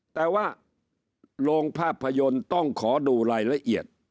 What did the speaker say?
แต่ว่าโรงภาพยนตร์ต้องขอดูรายละเอียด